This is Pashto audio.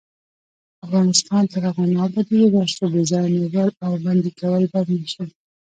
افغانستان تر هغو نه ابادیږي، ترڅو بې ځایه نیول او بندي کول بند نشي.